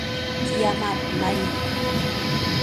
Киямат марий!